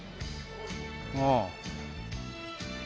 ああ。